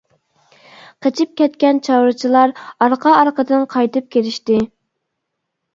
قېچىپ كەتكەن چارۋىچىلار ئارقا-ئارقىدىن قايتىپ كېلىشتى.